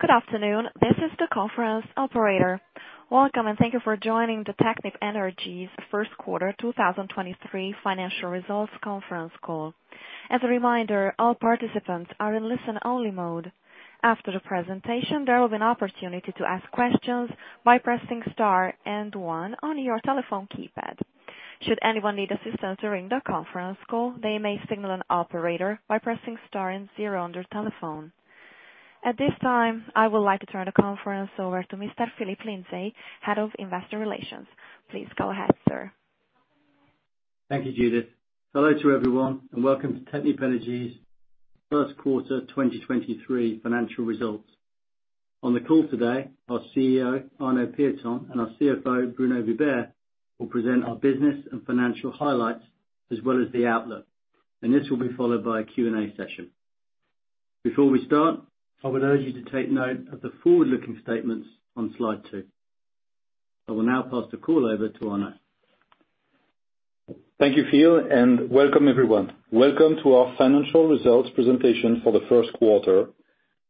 Good afternoon. This is the conference operator. Welcome, and thank you for joining Technip Energies' first quarter 2023 financial results conference call. As a reminder, all participants are in listen-only mode. After the presentation, there will be an opportunity to ask questions by pressing star one on your telephone keypad. Should anyone need assistance during the conference call, they may signal an operator by pressing star zero on their telephone. At this time, I would like to turn the conference over to Mr. Phillip Lindsay, Head of Investor Relations. Please go ahead, sir. Thank you, Judith. Hello to everyone, and welcome to Technip Energies' first quarter 2023 financial results. On the call today, our CEO, Arnaud Pieton, and our CFO, Bruno Vibert, will present our business and financial highlights as well as the outlook. This will be followed by a Q&A session. Before we start, I would urge you to take note of the forward-looking statements on slide two. I will now pass the call over to Arnaud. Thank you, Phil, and welcome everyone. Welcome to our financial results presentation for the first quarter,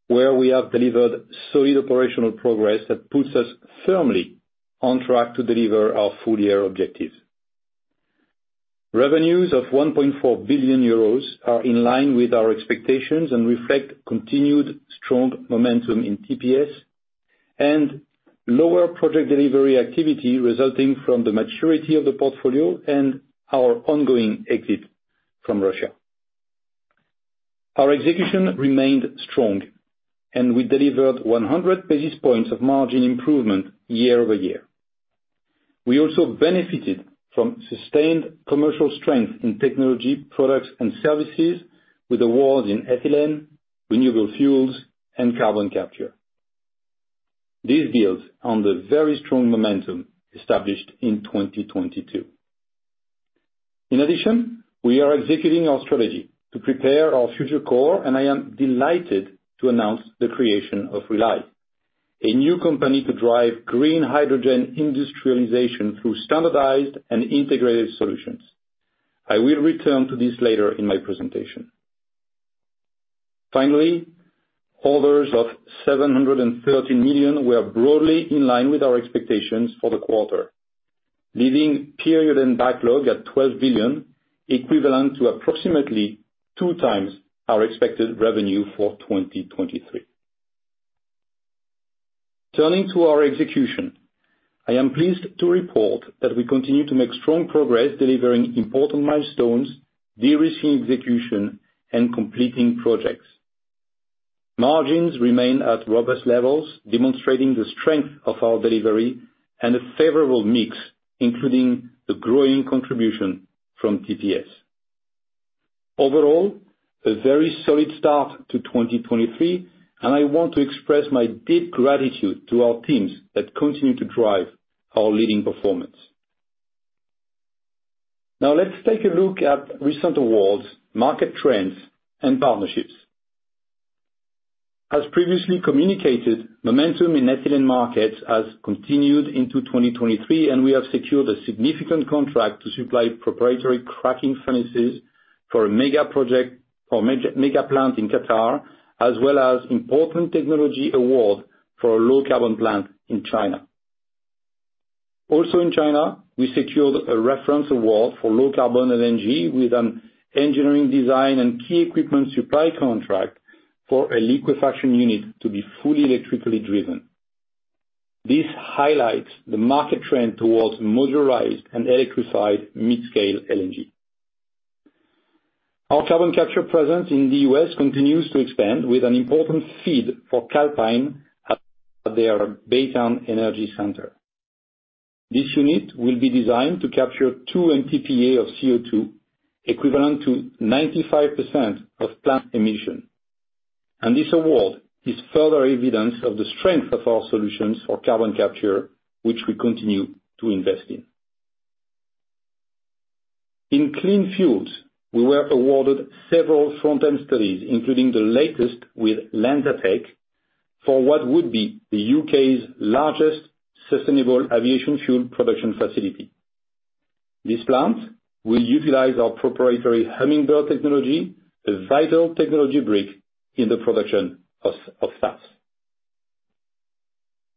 where we have delivered solid operational progress that puts us firmly on track to deliver our full year objectives. Revenues of 1.4 billion euros are in line with our expectations and reflect continued strong momentum in TPS and lower project delivery activity resulting from the maturity of the portfolio and our ongoing exit from Russia. Our execution remained strong, and we delivered 100 basis points of margin improvement year-over-year. We also benefited from sustained commercial strength in technology, products and services, with awards in ethylene, renewable fuels, and carbon capture. This builds on the very strong momentum established in 2022. In addition, we are executing our strategy to prepare our future core, and I am delighted to announce the creation of Rely, a new company to drive green hydrogen industrialization through standardized and integrated solutions. I will return to this later in my presentation. Finally, orders of 730 million were broadly in line with our expectations for the quarter, leaving period and backlog at 12 billion, equivalent to approximately 2x our expected revenue for 2023. Turning to our execution, I am pleased to report that we continue to make strong progress delivering important milestones, de-risking execution and completing projects. Margins remain at robust levels, demonstrating the strength of our delivery and a favorable mix, including the growing contribution from TPS. A very solid start to 2023, I want to express my deep gratitude to our teams that continue to drive our leading performance. Let's take a look at recent awards, market trends, and partnerships. As previously communicated, momentum in ethylene markets has continued into 2023, we have secured a significant contract to supply proprietary cracking furnaces for a mega project or mega plant in Qatar, as well as important technology award for a low carbon plant in China. In China, we secured a reference award for low carbon LNG with an engineering design and key equipment supply contract for a liquefaction unit to be fully electrically driven. This highlights the market trend towards modularized and electrified mid-scale LNG. Our carbon capture presence in the U.S. continues to expand with an important FEED for Calpine at their Baytown Energy Center. This unit will be designed to capture 2 MTPA of CO2, equivalent to 95% of plant emission. This award is further evidence of the strength of our solutions for carbon capture, which we continue to invest in. In clean fuels, we were awarded several front-end studies, including the latest with LanzaTech, for what would be the U.K.'s largest Sustainable Aviation Fuel production facility. This plant will utilize our proprietary Hummingbird technology, a vital technology brick in the production of SAF.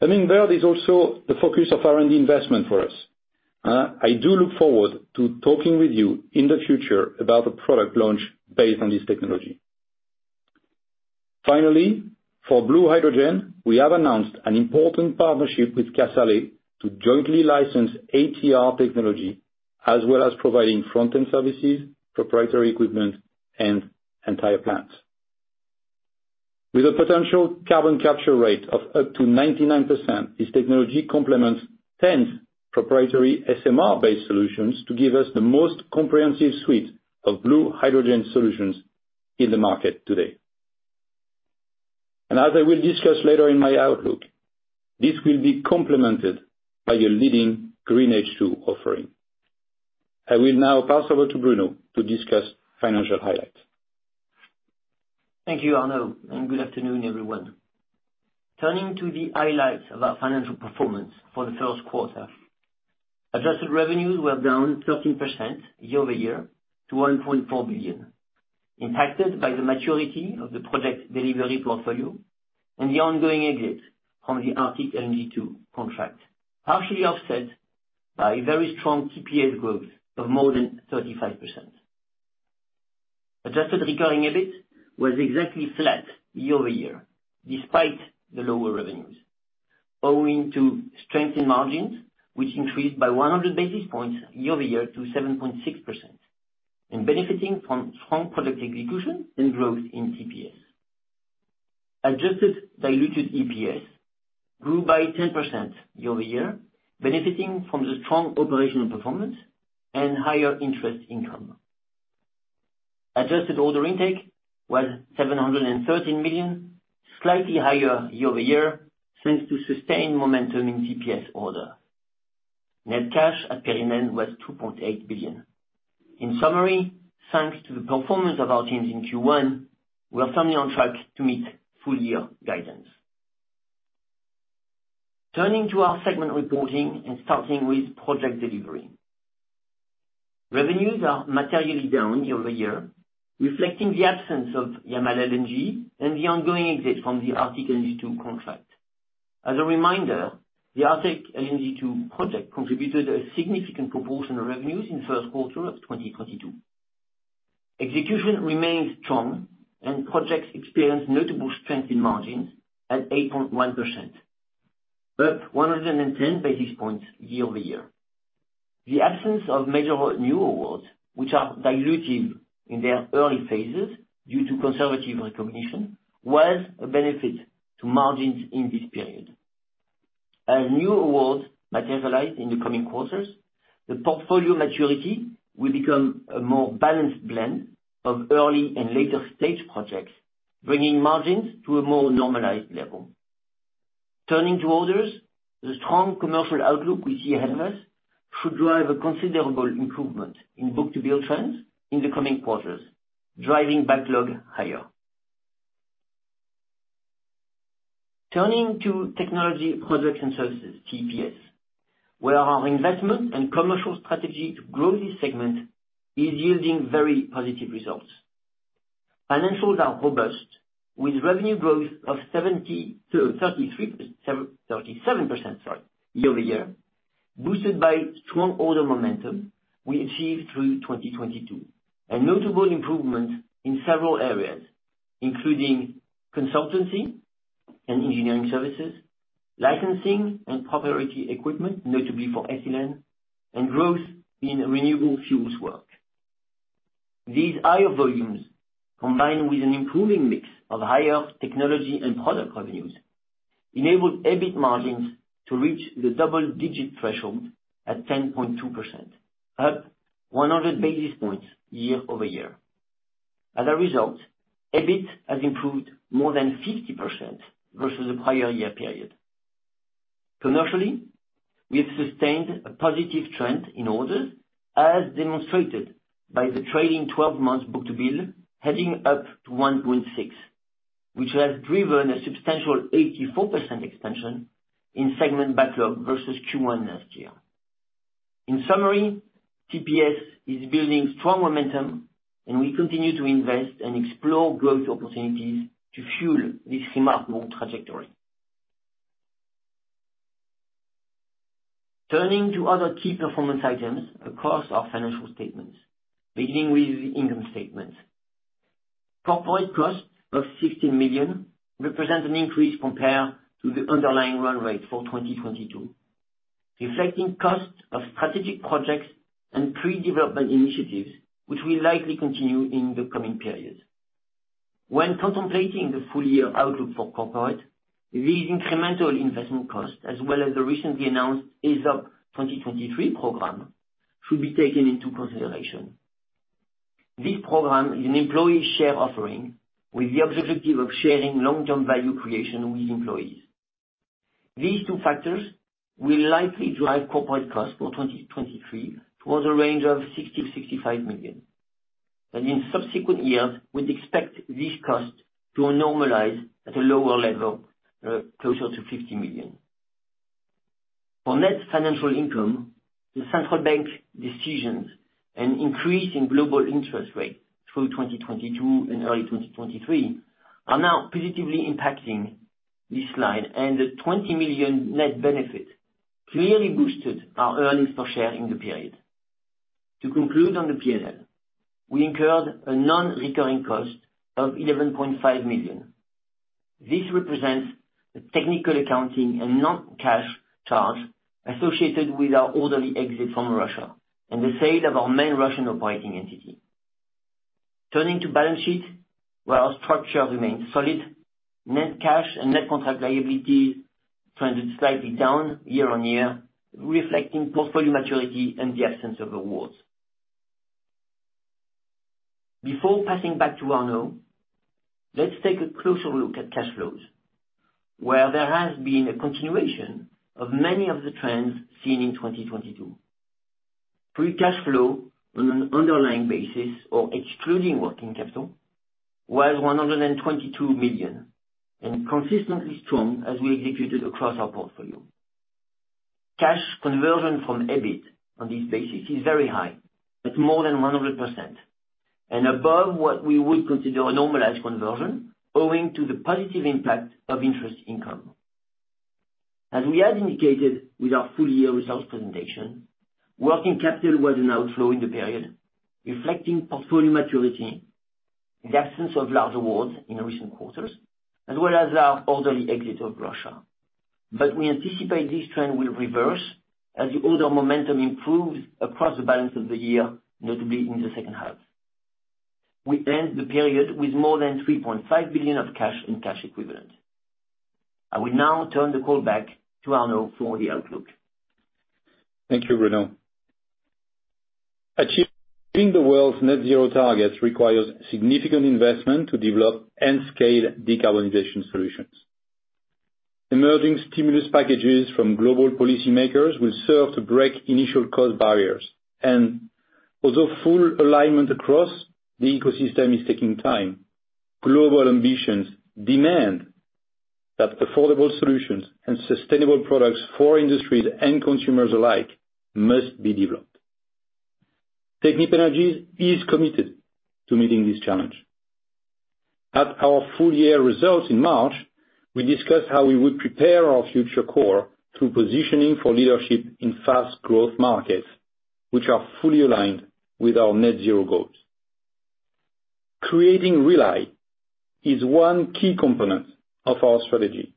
Hummingbird is also the focus of R&D investment for us. I do look forward to talking with you in the future about a product launch based on this technology. Finally, for blue hydrogen, we have announced an important partnership with Casale to jointly license ATR technology, as well as providing front-end services, proprietary equipment, and entire plants. With a potential carbon capture rate of up to 99%, this technology complements 10 proprietary SMR-based solutions to give us the most comprehensive suite of blue hydrogen solutions in the market today. As I will discuss later in my outlook, this will be complemented by a leading green H2 offering. I will now pass over to Bruno to discuss financial highlights. Thank you, Arnaud, and good afternoon, everyone. Turning to the highlights of our financial performance for the first quarter. Adjusted revenues were down 13% year-over-year to 1.4 billion, impacted by the maturity of the project delivery portfolio and the ongoing exit from the Arctic LNG 2 contract, partially offset by very strong TPS growth of more than 35%. Adjusted recurring EBIT was exactly flat year-over-year despite the lower revenues, owing to strength in margins, which increased by 100 basis points year-over-year to 7.6%, and benefiting from strong product execution and growth in TPS. Adjusted diluted EPS grew by 10% year-over-year, benefiting from the strong operational performance and higher interest income. Adjusted order intake was 713 million, slightly higher year-over-year, thanks to sustained momentum in TPS order. Net cash at period end was 2.8 billion. In summary, thanks to the performance of our teams in Q1, we are firmly on track to meet full year guidance. Turning to our segment reporting and starting with project delivery. Revenues are materially down year-over-year, reflecting the absence of Yamal LNG and the ongoing exit from the Arctic LNG 2 contract. As a reminder, the Arctic LNG 2 project contributed a significant proportion of revenues in first quarter of 2022. Execution remains strong and projects experienced notable strength in margins at 8.1%, up 110 basis points year-over-year. The absence of major new awards, which are dilutive in their early phases due to conservative recognition, was a benefit to margins in this period. As new awards materialize in the coming quarters, the portfolio maturity will become a more balanced blend of early and later stage projects, bringing margins to a more normalized level. Turning to orders, the strong commercial outlook we see ahead of us should drive a considerable improvement in book-to-bill trends in the coming quarters, driving backlog higher. Turning to Technology Products and Services, TPS, where our investment and commercial strategy to grow this segment is yielding very positive results. Financials are robust, with revenue growth of 37%, sorry, year-over-year, boosted by strong order momentum we achieved through 2022, and notable improvements in several areas, including consultancy and engineering services, licensing and proprietary equipment, notably for ethylene, and growth in renewable fuels work. These higher volumes, combined with an improving mix of higher technology and product revenues, enabled EBIT margins to reach the double-digit threshold at 10.2%, up 100 basis points year-over-year. As a result, EBIT has improved more than 50% versus the prior year period. Commercially, we have sustained a positive trend in orders, as demonstrated by the trailing 12 months book-to-bill heading up to 1.6, which has driven a substantial 84% expansion in segment backlog versus Q1 last year. In summary, TPS is building strong momentum, and we continue to invest and explore growth opportunities to fuel this remarkable trajectory. Turning to other key performance items across our financial statements, beginning with the income statement. Corporate costs of 16 million represent an increase compared to the underlying run rate for 2022, reflecting costs of strategic projects and pre-development initiatives which will likely continue in the coming periods. When contemplating the full year outlook for corporate, these incremental investment costs, as well as the recently announced ESOP 2023 program, should be taken into consideration. This program is an employee share offering with the objective of sharing long-term value creation with employees. These two factors will likely drive corporate costs for 2023 towards a range of 60 million-65 million. In subsequent years, we'd expect these costs to normalize at a lower level, closer to 50 million. For net financial income, the central bank decisions, an increase in global interest rates through 2022 and early 2023 are now positively impacting this slide. The 20 million net benefit clearly boosted our earnings per share in the period. To conclude on the P&L, we incurred a non-recurring cost of 11.5 million. This represents the technical accounting and non-cash charge associated with our orderly exit from Russia and the sale of our main Russian operating entity. Turning to balance sheet, where our structure remains solid, net cash and net contract liability trended slightly down year-on-year, reflecting portfolio maturity and the absence of awards. Before passing back to Arnaud, let's take a closer look at cash flows, where there has been a continuation of many of the trends seen in 2022. Free cash flow on an underlying basis or excluding working capital was 122 million and consistently strong as we executed across our portfolio. Cash conversion from EBIT on this basis is very high, at more than 100% and above what we would consider a normalized conversion owing to the positive impact of interest income. As we had indicated with our full year results presentation, working capital was an outflow in the period, reflecting portfolio maturity, the absence of large awards in recent quarters, as well as our orderly exit of Russia. We anticipate this trend will reverse as the order momentum improves across the balance of the year, notably in the second half. We end the period with more than 3.5 billion of cash and cash equivalent. I will now turn the call back to Arnaud for the outlook. Thank you, Bruno. Achieving the world's net zero targets requires significant investment to develop and scale decarbonization solutions. Emerging stimulus packages from global policymakers will serve to break initial cost barriers. Although full alignment across the ecosystem is taking time, global ambitions demand that affordable solutions and sustainable products for industries and consumers alike must be developed. Technip Energies is committed to meeting this challenge. At our full year results in March, we discussed how we would prepare our future core through positioning for leadership in fast growth markets which are fully aligned with our net zero goals. Creating Rely is one key component of our strategy.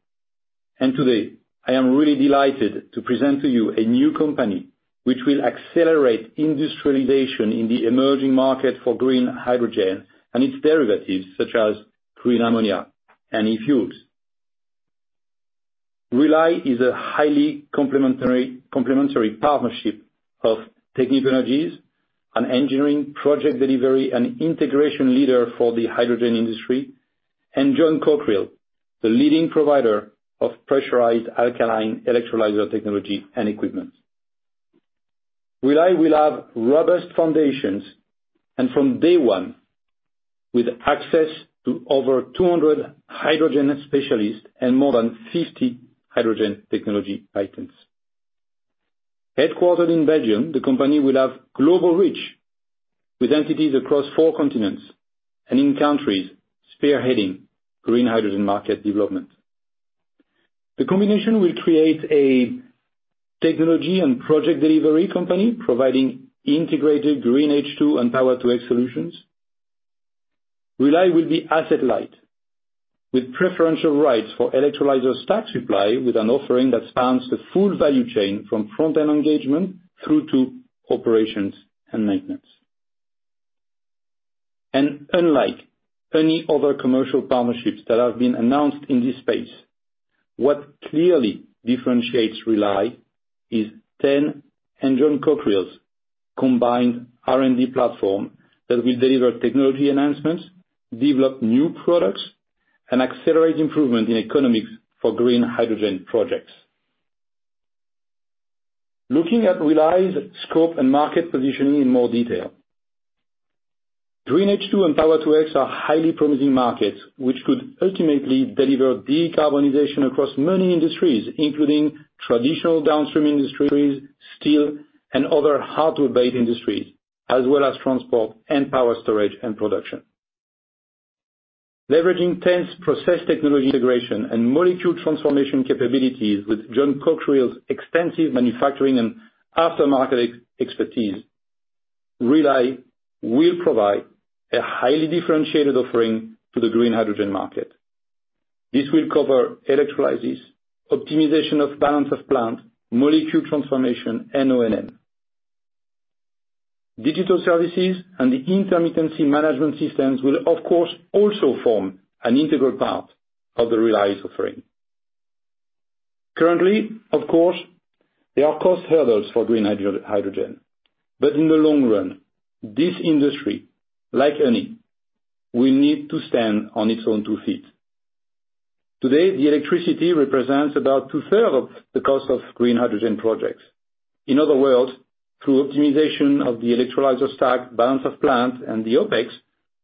Today, I am really delighted to present to you a new company which will accelerate industrialization in the emerging market for green hydrogen and its derivatives, such as green ammonia and e-fuels. Rely is a highly complimentary partnership of Technip Energies, an engineering project delivery and integration leader for the hydrogen industry, and John Cockerill, the leading provider of pressurized alkaline electrolyzer technology and equipment. Rely will have robust foundations and from day one, with access to over 200 hydrogen specialists and more than 50 hydrogen technology patents. Headquartered in Belgium, the company will have global reach with entities across four continents and in countries spearheading green hydrogen market development. The combination will create a technology and project delivery company providing integrated green H2 and Power-to-X solutions. Rely will be asset-light with preferential rights for electrolyzer stack supply with an offering that spans the full value chain from front-end engagement through to operations and maintenance. Unlike any other commercial partnerships that have been announced in this space, what clearly differentiates Rely is T.EN and John Cockerill's combined R&D platform that will deliver technology enhancements, develop new products, and accelerate improvement in economics for green hydrogen projects. Looking at Rely's scope and market positioning in more detail. Green H2 and Power2X are highly promising markets which could ultimately deliver decarbonization across many industries, including traditional downstream industries, steel, and other hardware-based industries, as well as transport and power storage and production. Leveraging T.EN's process technology integration and molecule transformation capabilities with John Cockerill's extensive manufacturing and aftermarket expertise, Rely will provide a highly differentiated offering to the green hydrogen market. This will cover electrolysis, optimization of balance of plant, molecule transformation, and O&M. Digital services and the intermittency management systems will of course also form an integral part of Rely's offering. Currently, of course, there are cost hurdles for green hydrogen, but in the long run, this industry, like any, will need to stand on its own two feet. Today, the electricity represents about 2/3 of the cost of green hydrogen projects. In other words, through optimization of the electrolyzer stack, balance of plant and the OpEx,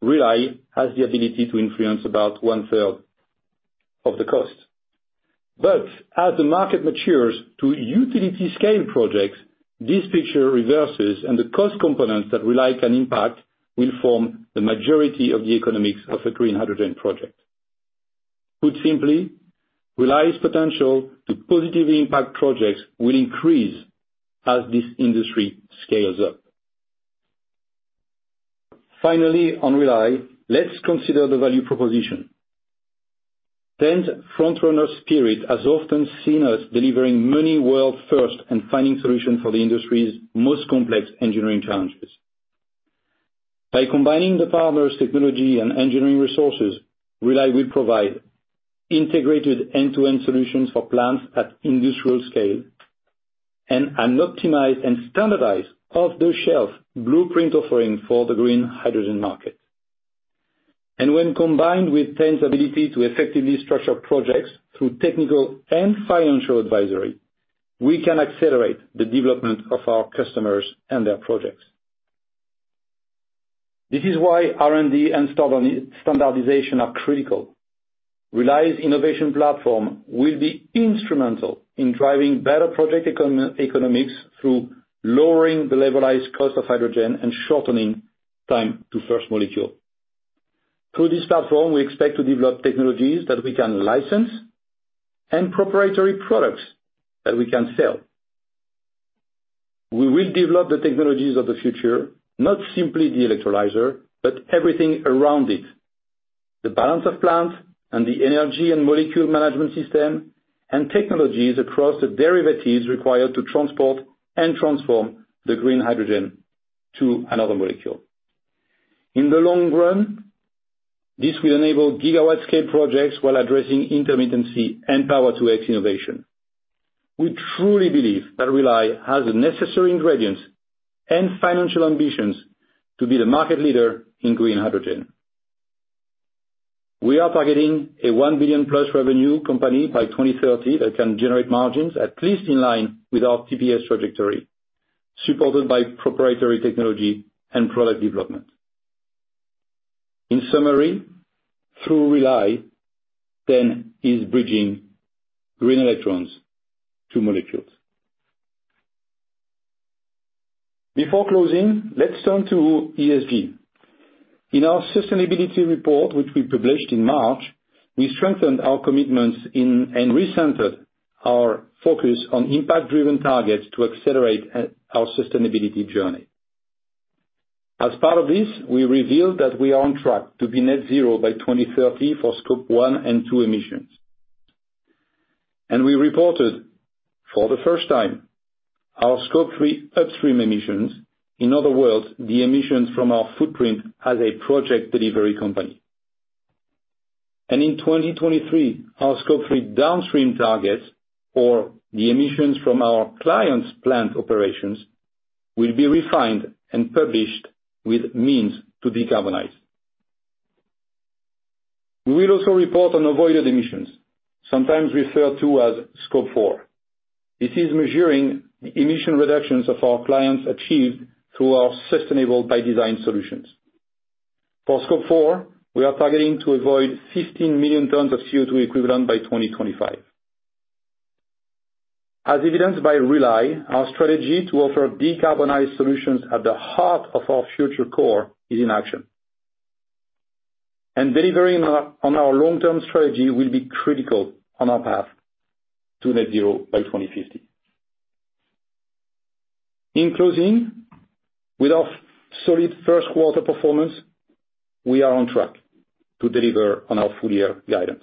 Rely has the ability to influence about 1/3 of the cost. As the market matures to utility scale projects, this picture reverses, and the cost components that Rely can impact will form the majority of the economics of a green hydrogen project. Put simply, Rely's potential to positively impact projects will increase as this industry scales up. Finally, on Rely, let's consider the value proposition. Front runner spirit has often seen us delivering many world first and finding solution for the industry's most complex engineering challenges. By combining the partner's technology and engineering resources, Rely will provide integrated end-to-end solutions for plants at industrial scale and an optimized and standardized off-the-shelf blueprint offering for the green hydrogen market. When combined with T.EN's ability to effectively structure projects through technical and financial advisory, we can accelerate the development of our customers and their projects. This is why R&D and standardization are critical. Rely's innovation platform will be instrumental in driving better project economics through lowering the levelized cost of hydrogen and shortening time to first molecule. Through this platform, we expect to develop technologies that we can license and proprietary products that we can sell. We will develop the technologies of the future, not simply the electrolyzer, but everything around it, the balance of plants and the energy and molecule management system and technologies across the derivatives required to transport and transform the green hydrogen to another molecule. In the long run, this will enable gigawatt scale projects while addressing intermittency and Power-to-X innovation. We truly believe that Rely has the necessary ingredients and financial ambitions to be the market leader in green hydrogen. We are targeting a 1 billion-plus revenue company by 2030 that can generate margins at least in line with our TPS trajectory, supported by proprietary technology and product development. In summary, through Rely, T.EN is bridging green electrons to molecules. Before closing, let's turn to ESG. In our sustainability report, which we published in March, we strengthened our commitments in, and recentered our focus on impact-driven targets to accelerate our sustainability journey. As part of this, we revealed that we are on track to be net zero by 2030 for Scope 1 and 2 emissions. We reported for the first time our Scope 3 upstream emissions, in other words, the emissions from our footprint as a project delivery company. In 2023, our Scope 3 downstream targets or the emissions from our clients' plant operations will be refined and published with means to decarbonize. We will also report on avoided emissions, sometimes referred to as Scope 4. This is measuring the emission reductions of our clients achieved through our sustainable by design solutions. For Scope 4, we are targeting to avoid 15 million tons of CO2 equivalent by 2025. As evidenced by Rely, our strategy to offer decarbonized solutions at the heart of our future core is in action. Delivering on our long-term strategy will be critical on our path to net zero by 2050. In closing, with our solid first quarter performance, we are on track to deliver on our full year guidance.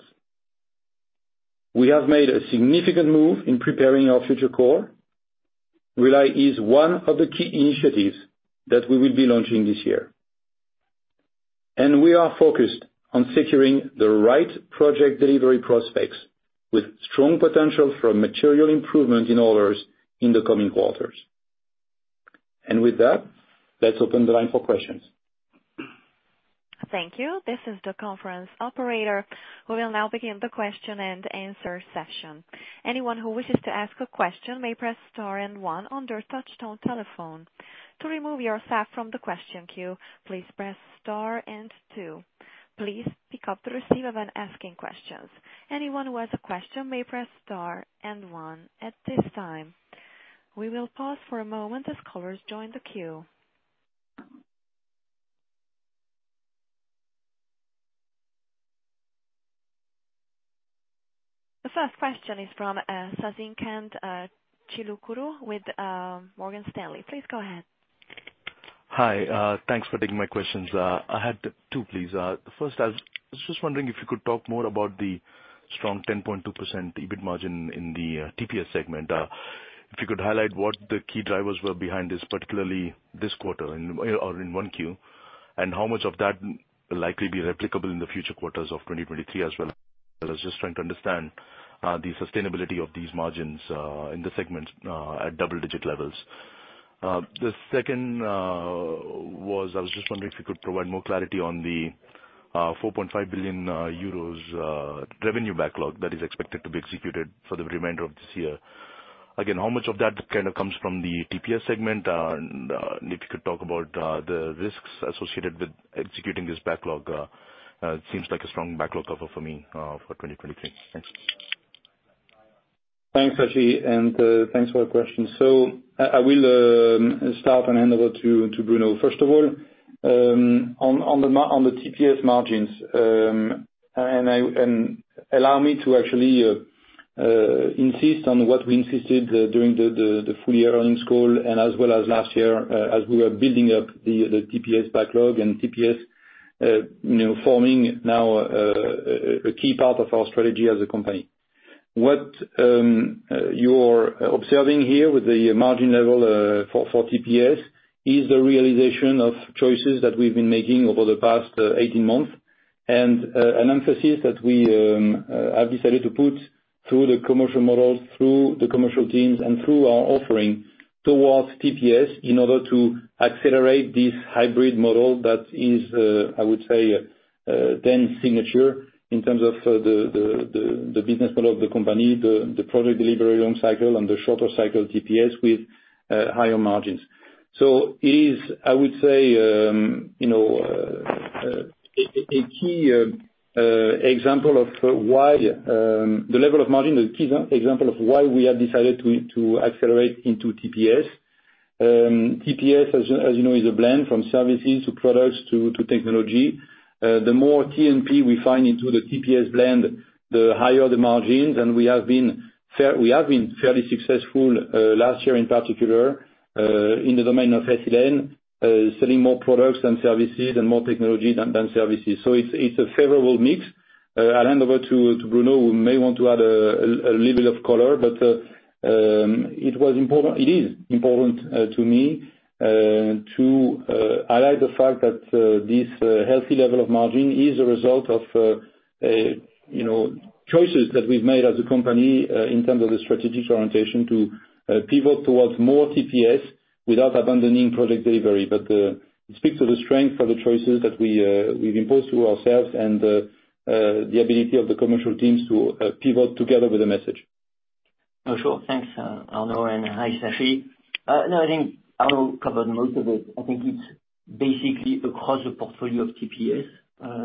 We have made a significant move in preparing our future core. Rely is one of the key initiatives that we will be launching this year. We are focused on securing the right project delivery prospects with strong potential for material improvement in orders in the coming quarters. With that, let's open the line for questions. Thank you. This is the conference operator who will now begin the question and answer session. Anyone who wishes to ask a question may press star and one on their touchtone telephone. To remove yourself from the question queue, please press star and two. Please pick up the receiver when asking questions. Anyone who has a question may press star and one at this time. We will pause for a moment as callers join the queue. The first question is from Sasikanth Chilukuru, with Morgan Stanley. Please go ahead. Hi, thanks for taking my questions. I had two, please. First, I was just wondering if you could talk more about the strong 10.2% EBIT margin in the TPS segment. If you could highlight what the key drivers were behind this, particularly this quarter or in 1Q, and how much of that will likely be replicable in the future quarters of 2023 as well. I was just trying to understand the sustainability of these margins in the segment at double digit levels. The second was I was just wondering if you could provide more clarity on the 4.5 billion euros revenue backlog that is expected to be executed for the remainder of this year. Again, how much of that kind of comes from the TPS segment? If you could talk about, the risks associated with executing this backlog, it seems like a strong backlog cover for me, for 2023. Thanks. Thanks, Sasi, and thanks for the question. I will start and hand over to Bruno. First of all, on the TPS margins, and allow me to actually insist on what we insisted during the full year earnings call and as well as last year, as we were building up the TPS backlog and TPS, you know, forming now a key part of our strategy as a company. What you're observing here with the margin level for TPS is the realization of choices that we've been making over the past 18 months, and an emphasis that we have decided to put through the commercial models, through the commercial teams, and through our offering towards TPS in order to accelerate this hybrid model that is, I would say, then signature in terms of the business model of the company, the project delivery long cycle and the shorter cycle TPS with higher margins. It is, I would say, you know, a key example of why the level of margin is a key example of why we have decided to accelerate into TPS. TPS, as you know, is a blend from services to products to technology. The more T&P we find into the TPS blend, the higher the margins. We have been fairly successful last year in particular in the domain of ethylene, selling more products than services and more technology than services. It's a favorable mix. I hand over to Bruno, who may want to add a little bit of color, but it was important, it is important to me to highlight the fact that this healthy level of margin is a result of a, you know, choices that we've made as a company in terms of the strategic orientation to pivot towards more TPS without abandoning project delivery. It speaks to the strength of the choices that we've imposed to ourselves and, the ability of the commercial teams to pivot together with the message. Oh, sure. Thanks, Arnaud, and hi, Sasi. No, I think Arnaud covered most of it. I think it's basically across the portfolio of TPS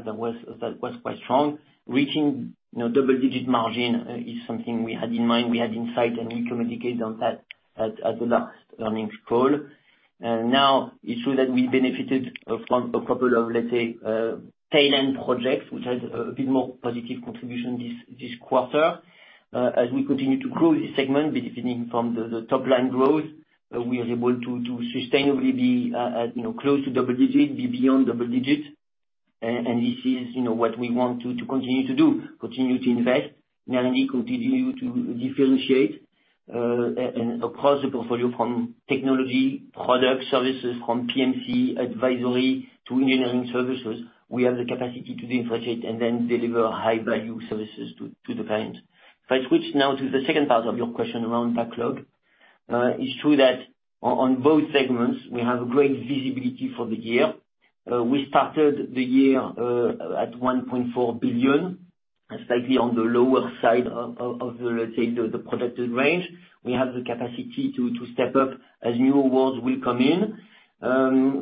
that was quite strong. Reaching, you know, double-digit margin is something we had in mind, we had in sight, and we communicated on that at the last earnings call. Now it's true that we benefited from a couple of, let's say, tail end projects which has a bit more positive contribution this quarter. As we continue to grow this segment, benefiting from the top-line growth, we are able to sustainably be, you know, close to double digit, be beyond double digit. This is, you know, what we want to continue to do, continue to invest, mainly continue to differentiate, and across the portfolio from technology, products, services, from PMC advisory to engineering services. We have the capacity to differentiate and then deliver high value services to the client. If I switch now to the second part of your question around backlog. It's true that on both segments we have great visibility for the year. We started the year at 1.4 billion, slightly on the lower side of the, let's say, the projected range. We have the capacity to step up as new awards will come in.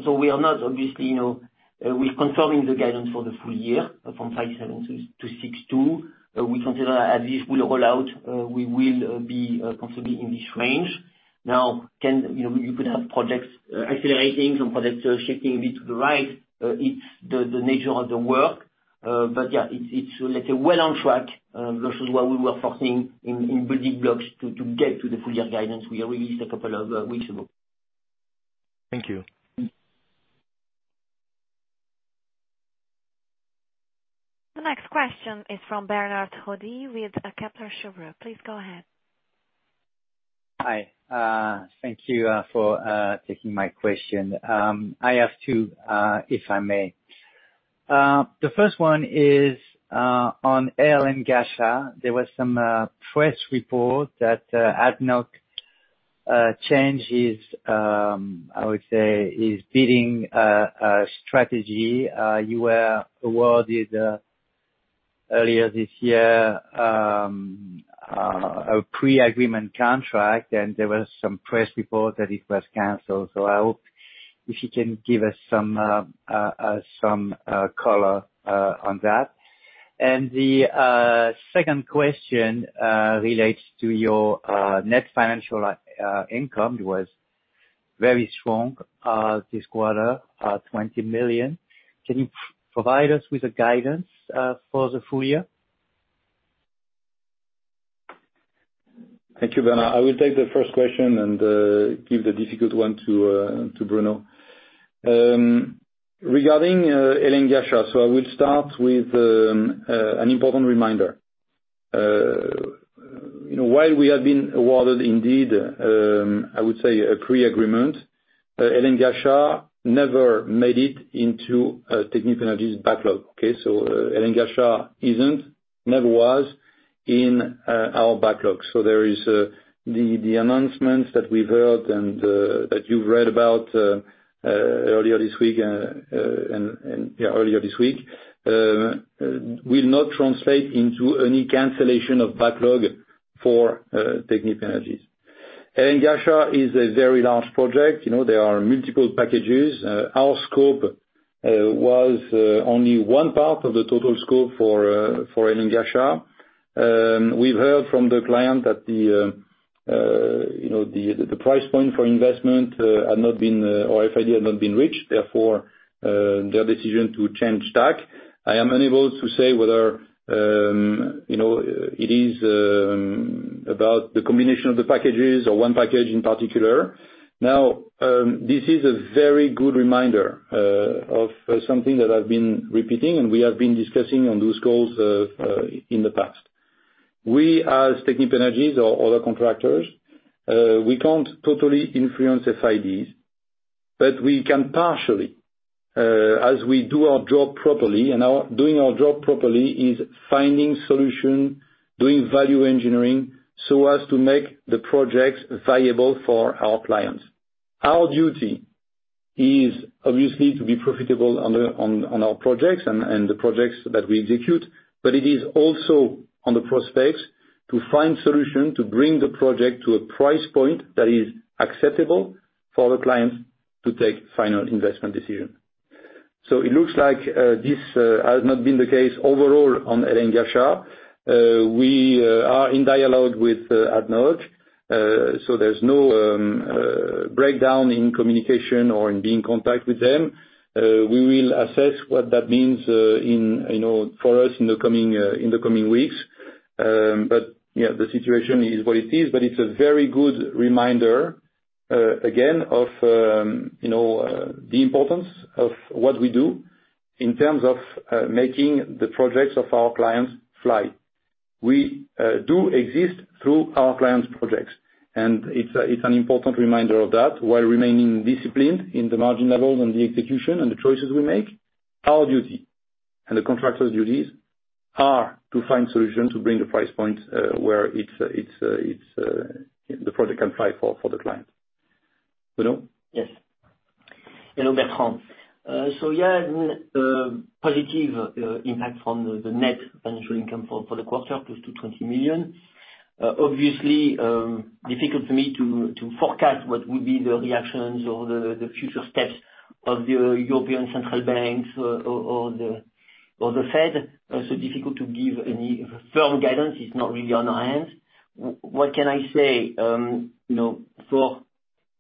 We are not obviously, you know, we're confirming the guidance for the full year from 5.7 billion-6.2 billion. We consider as this will roll out, we will be comfortably in this range. Can, you know, you could have projects accelerating, some projects shifting a bit to the right. It's the nature of the work. Yeah, it's, let's say, well on track versus where we were starting in building blocks to get to the full year guidance we released a couple of weeks ago. Thank you. The next question is from Bertrand Hodee with Kepler Cheuvreux. Please go ahead. Hi, thank you for taking my question. I have two, if I may. The first one is on Hail & Ghasha. There was some press report that ADNOC changed his, I would say, his bidding strategy. You were awarded earlier this year a pre-agreement contract, and there was some press report that it was canceled. I hope if you can give us some color on that. The second question relates to your net financial income. It was very strong this quarter, 20 million. Can you provide us with a guidance for the full year? Thank you, Bertrand. I will take the first question and give the difficult one to Bruno. Regarding Hail & Ghasha, I will start with an important reminder. You know, while we have been awarded indeed, I would say a pre-agreement, Hail & Ghasha never made it into Technip Energies' backlog. Okay? Hail & Ghasha isn't, never was in our backlog. There is the announcements that we've heard and that you've read about earlier this week will not translate into any cancellation of backlog for Technip Hail & Ghasha is a very large project. You know, there are multiple packages. Our scope was only one part of the total scope for Hail & Ghasha. We've heard from the client that the, you know, the price point for investment, had not been, or FID had not been reached, therefore, their decision to change tack. I am unable to say whether, you know, it is about the combination of the packages or one package in particular. This is a very good reminder of something that I've been repeating and we have been discussing on those calls in the past. We, as Technip Energies or other contractors, we can't totally influence FIDs. But we can partially, as we do our job properly, and our doing our job properly is finding solution, doing value engineering so as to make the projects viable for our clients. Our duty is obviously to be profitable on our projects and the projects that we execute. It is also on the prospects to find solution to bring the project to a price point that is acceptable for the clients to take final investment decision. It looks like this has not been the case overall on Hail & Ghasha. We are in dialogue with ADNOC. There's no breakdown in communication or in being contact with them. We will assess what that means, you know, for us in the coming weeks. Yeah, the situation is what it is, but it's a very good reminder again, of, you know, the importance of what we do in terms of making the projects of our clients fly. We do exist through our clients' projects. It's an important reminder of that while remaining disciplined in the margin levels and the execution and the choices we make. Our duty and the contractors' duties are to find solutions to bring the price point where it's the project can fly for the client. Bruno? Yes. Hello, Bertrand. Positive impact from the net financial income for the quarter, close to 20 million. Obviously, difficult for me to forecast what would be the reactions or the future steps of the European Central Bank or the Fed. Also difficult to give any firm guidance. It's not really on our hands. What can I say, you know, for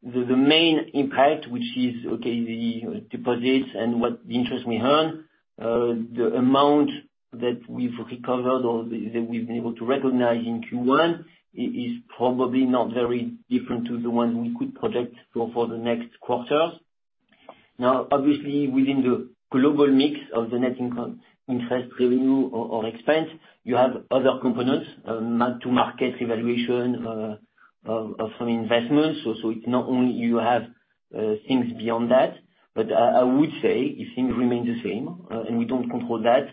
the main impact, which is, okay, the deposits and what interest we earn, the amount that we've recovered or that we've been able to recognize in Q1 is probably not very different to the one we could project for the next quarters. Obviously within the global mix of the net income interest revenue or expense, you have other components, mark-to-market evaluation, of some investments, also not only you have, things beyond that. I would say if things remain the same, and we don't control that,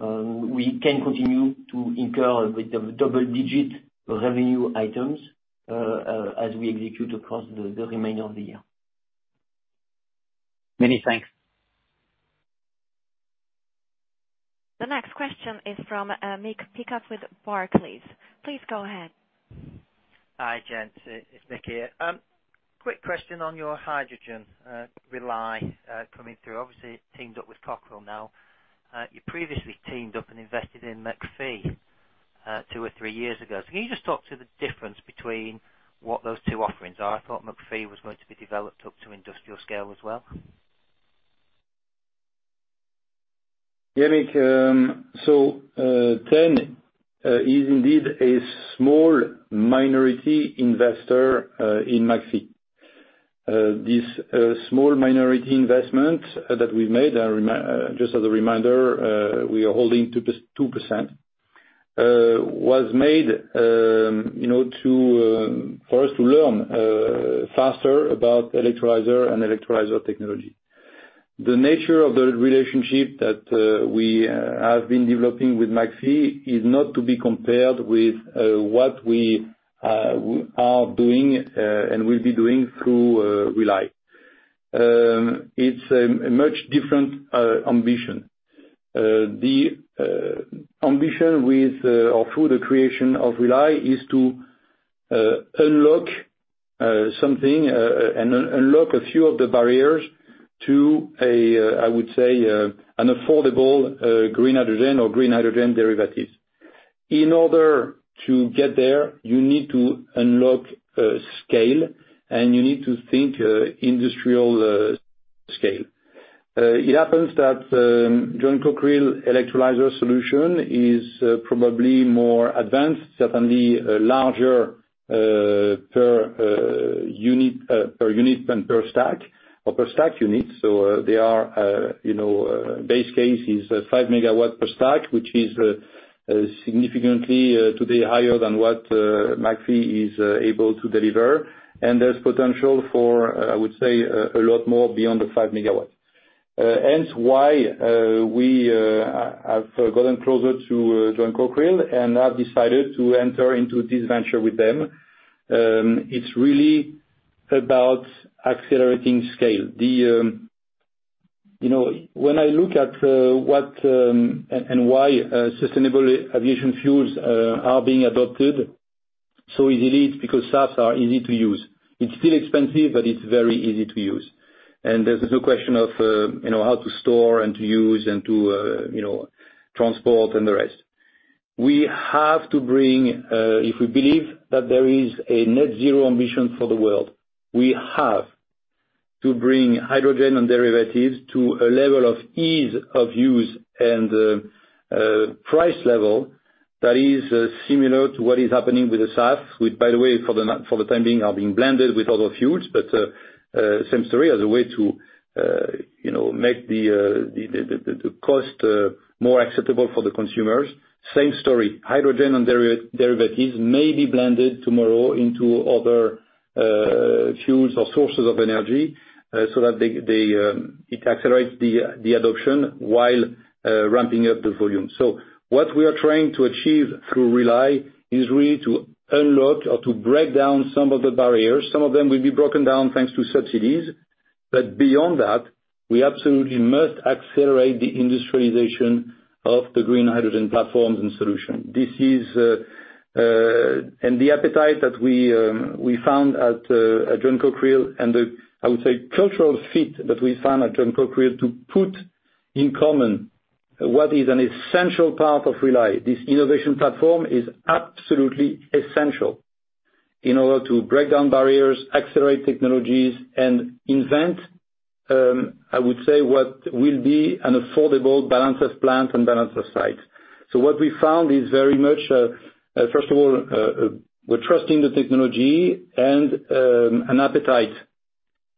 we can continue to incur with the double digit revenue items, as we execute across the remainder of the year. Many thanks. The next question is from Mick Pickup with Barclays. Please go ahead. Hi, gents. It's Mick here. Quick question on your hydrogen, Rely, coming through, obviously teamed up with Cockerill now. You previously teamed up and invested in McPhy, two or three years ago. Can you just talk to the difference between what those two offerings are? I thought McPhy was going to be developed up to industrial scale as well. Yeah, Mick. T.EN is indeed a small minority investor in McPhy. This small minority investment that we made, just as a reminder, we are holding 2%, was made, you know, to for us to learn faster about electrolyzer and electrolyzer technology. The nature of the relationship that we have been developing with McPhy is not to be compared with what we are doing and will be doing through Rely. It's a much different ambition. The ambition with or through the creation of Rely is to unlock something and unlock a few of the barriers to a, I would say, an affordable green hydrogen or green hydrogen derivatives. In order to get there, you need to unlock scale, you need to think industrial scale. It happens that John Cockerill electrolyzer solution is probably more advanced, certainly larger per unit per unit than per stack or per stack unit. They are, you know, base case is 5 MW per stack, which is significantly today higher than what McPhy is able to deliver. There's potential for, I would say, a lot more beyond the 5 MW. Hence why we have gotten closer to John Cockerill and have decided to enter into this venture with them. It's really about accelerating scale. The, you know, when I look at what and and why sustainable aviation fuels are being adopted so easily it's because SAFs are easy to use. It's still expensive, but it's very easy to use. There's no question of, you know, how to store and to use and to, you know, transport and the rest. We have to bring, if we believe that there is a net zero ambition for the world, we have to bring hydrogen and derivatives to a level of ease of use and, price level that is, similar to what is happening with the SAF, with, by the way, for the time being, are being blended with other fuels. Same story as a way to make the cost more acceptable for the consumers. Same story. Hydrogen and derivatives may be blended tomorrow into other fuels or sources of energy so that it accelerates the adoption while ramping up the volume. What we are trying to achieve through Rely is really to unlock or to break down some of the barriers. Some of them will be broken down thanks to subsidies. Beyond that, we absolutely must accelerate the industrialization of the green hydrogen platforms and solution. This is, and the appetite that we found at John Cockerill and the, I would say, cultural fit that we found at John Cockerill to put in common what is an essential part of Rely. This innovation platform is absolutely essential in order to break down barriers, accelerate technologies, and invent, I would say, what will be an affordable, balanced plant and balanced site. What we found is very much, first of all, we're trusting the technology and an appetite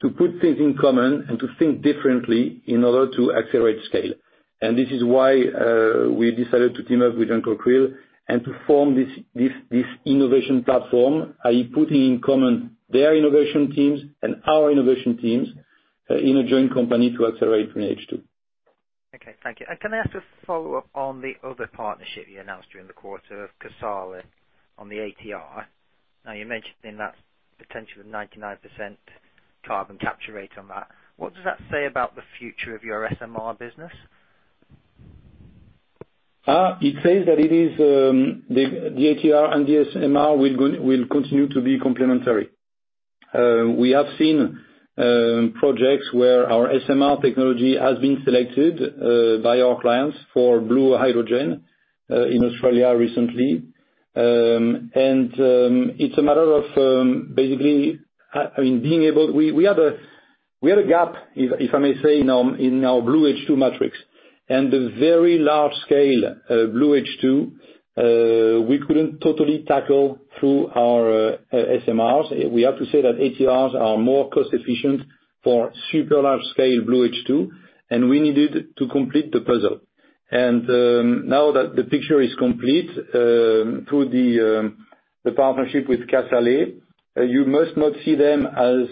to put things in common and to think differently in order to accelerate scale. This is why, we decided to team up with John Cockerill and to form this innovation platform, i.e., putting in common their innovation teams and our innovation teams in a joint company to accelerate green H2. Okay. Thank you. Can I ask a follow-up on the other partnership you announced during the quarter of Casale on the ATR? You mentioned in that potential of 99% carbon capture rate on that. What does that say about the future of your SMR business? It says that it is the ATR and the SMR will continue to be complementary. We have seen projects where our SMR technology has been selected by our clients for blue hydrogen in Australia recently. It's a matter of basically being able. We had a gap, if I may say, in our blue H2 metrics. The very large scale blue H2 we couldn't totally tackle through our SMRs. We have to say that ATRs are more cost efficient for super large scale blue H2, and we needed to complete the puzzle. Now that the picture is complete, through the partnership with Casale, you must not see them as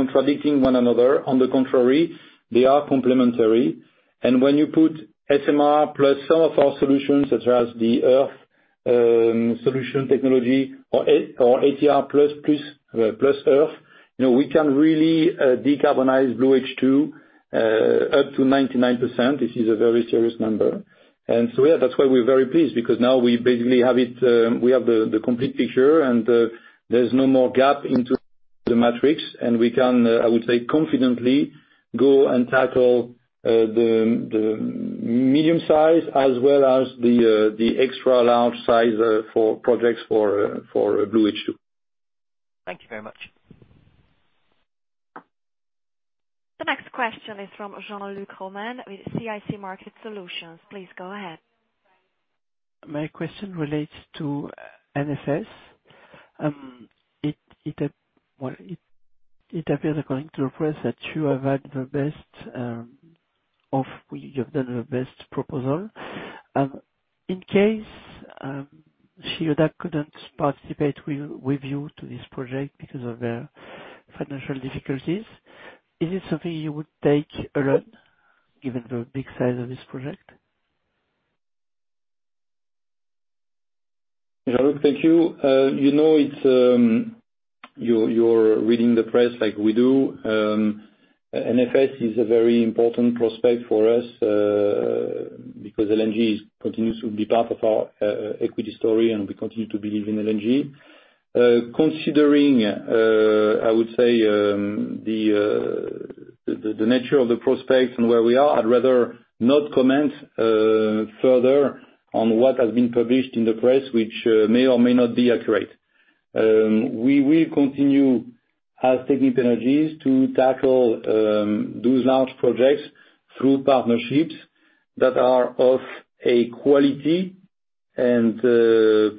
contradicting one another. On the contrary, they are complementary. When you put SMR plus some of our solutions, such as the EARTH solution technology or ATR plus EARTH, you know, we can really decarbonize blue H2 up to 99%. This is a very serious number. Yeah, that's why we're very pleased, because now we basically have it, we have the complete picture, and there's no more gap into the metrics. We can, I would say, confidently go and tackle the medium size as well as the extra large size for projects for blue H2. Thank you very much. The next question is from Jean-Luc Romain with CIC Market Solutions. Please go ahead. My question relates to NFS. It appears according to the press that you have had the best, you've done the best proposal. In case, Chiyoda couldn't participate with you to this project because of their financial difficulties, is this something you would take alone, given the big size of this project? Jean-Luc, thank you. You know, it's, you're reading the press like we do. NFS is a very important prospect for us, because LNG continues to be part of our equity story, and we continue to believe in LNG. Considering, I would say, the nature of the prospects and where we are, I'd rather not comment further on what has been published in the press, which may or may not be accurate. We will continue as Technip Energies to tackle those large projects through partnerships that are of a quality and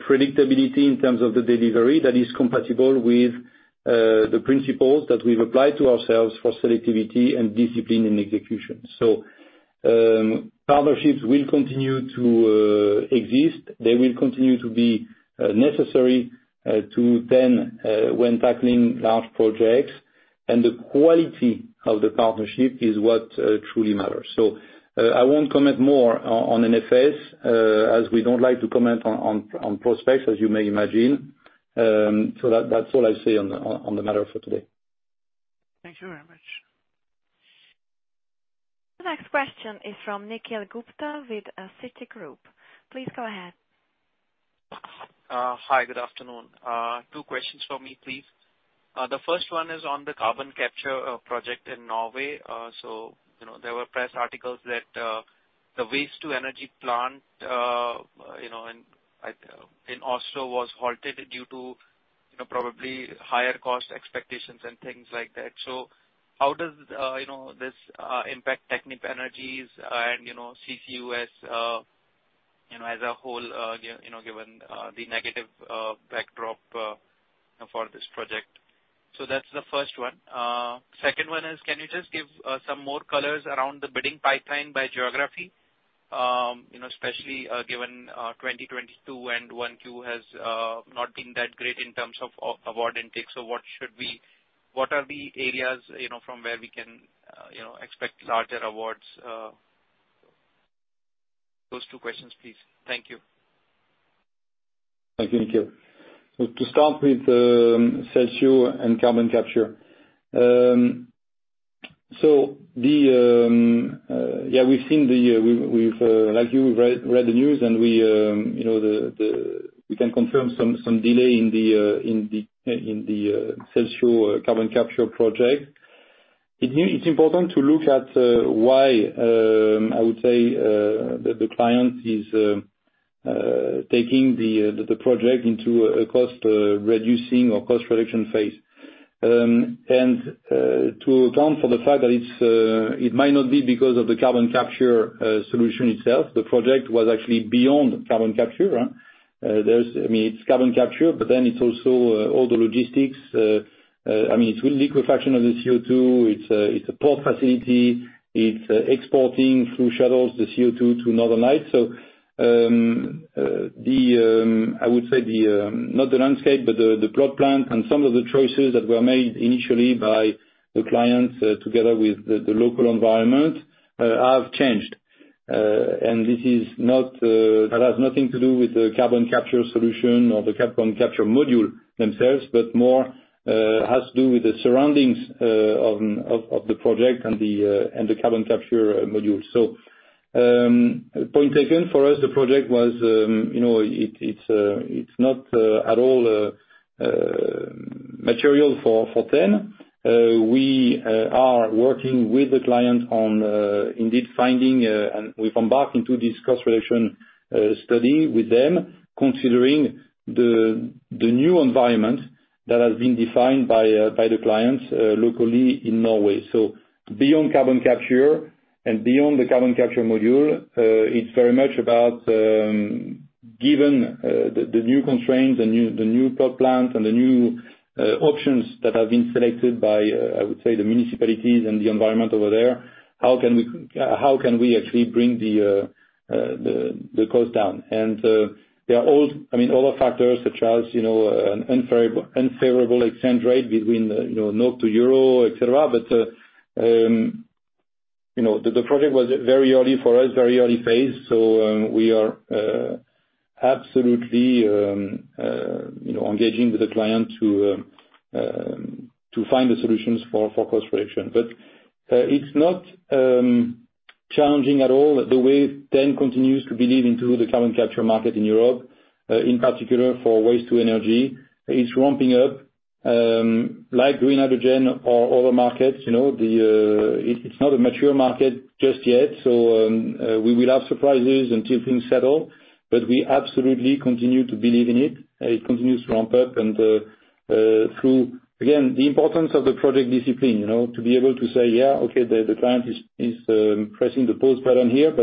predictability in terms of the delivery that is compatible with the principles that we've applied to ourselves for selectivity and discipline in execution. Partnerships will continue to exist. They will continue to be necessary to then when tackling large projects. The quality of the partnership is what truly matters. I won't comment more on NFS, as we don't like to comment on prospects, as you may imagine. That's all I say on the matter for today. Thank you very much. The next question is from Nikhil Gupta with, Citigroup. Please go ahead. Hi. Good afternoon. Two questions for me, please. The first one is on the carbon capture project in Norway. You know, there were press articles that the waste to energy plant, you know, and in Oslo was halted due to, you know, probably higher cost expectations and things like that. How does, you know, this impact Technip Energies and, you know, CCUS, you know, as a whole, you know, given the negative backdrop for this project? That's the first one. Second one is can you just give some more colors around the bidding pipeline by geography? You know, especially given 2022 and 1Q has not been that great in terms of award intake. What are the areas, you know, from where we can, you know, expect larger awards? Those two questions, please. Thank you. Thank you, Nikhil. To start with, Celsio and carbon capture. We've seen the, like you, read the news and we, you know, we can confirm some delay in the Celsio carbon capture project. It's important to look at why I would say the client is taking the project into a cost reducing or cost reduction phase. To account for the fact that it's it might not be because of the carbon capture solution itself. The project was actually beyond carbon capture, I mean, it's carbon capture, but then it's also all the logistics, I mean, it's with liquefaction of the CO2. It's, it's a port facility. It's exporting through shuttles, the CO2 to Northern Lights. The, I would say the, not the landscape, but the plot plan and some of the choices that were made initially by the clients together with the local environment, have changed. This is not, that has nothing to do with the carbon capture solution or the carbon capture module themselves, but more, has to do with the surroundings, of the project and the, and the carbon capture module. Point taken for us, the project was, you know, it's not, at all, material for T.EN. We are working with the client on indeed finding and we've embarked into this cost reduction study with them considering the new environment that has been defined by the clients locally in Norway. Beyond carbon capture and beyond the carbon capture module, it's very much about given the new constraints, the new, the new top plans and the new options that have been selected by I would say the municipalities and the environment over there, how can we actually bring the cost down? There are all, I mean, other factors such as, you know, an unfavorable exchange rate between the, you know, NOK to EUR, et cetera. You know, the project was very early for us, very early phase. We are absolutely, you know, engaging with the client to find the solutions for cost reduction. It's not challenging at all the way T.EN continues to believe into the carbon capture market in Europe, in particular for waste to energy. It's ramping up, like green hydrogen or other markets, you know. It's not a mature market just yet, so, we will have surprises until things settle, but we absolutely continue to believe in it. It continues to ramp up through, again, the importance of the project discipline, you know, to be able to say, yeah, okay, the client is pressing the pause button here,